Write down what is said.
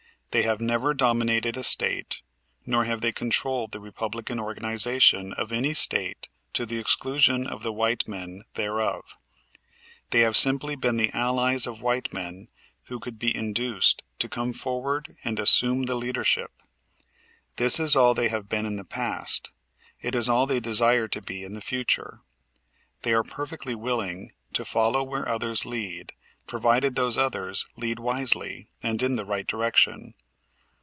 They have never dominated a State, nor have they controlled the Republican organization of any State to the exclusion of the white men thereof. They have simply been the allies of white men who could be induced to come forward and assume the leadership. This is all they have been in the past; it is all they desire to be in the future. They are perfectly willing to follow where others lead provided those others lead wisely and in the right direction.